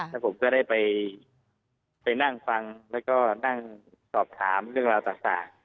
แล้วผมก็ได้ไปนั่งฟังแล้วก็นั่งสอบถามเรื่องราวต่าง